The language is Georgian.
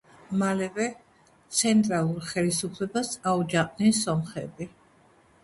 მალევე ცენტრალურ ხელისუფლებას აუჯანყდნენ სომხები.